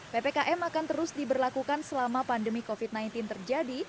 ppkm akan terus diberlakukan selama pandemi covid sembilan belas terjadi